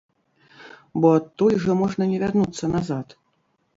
Бо адтуль жа можна не вярнуцца назад.